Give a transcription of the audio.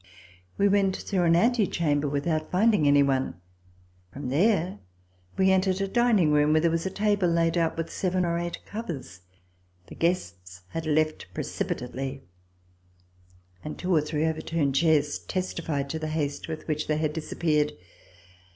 We went through an ante chamber, without finding any one. From there we entered a dining room where there was a table laid out with seven or eight covers. The guests had left precipitately, and two or three over turned chairs testified to the haste witl\ which they had disappeared.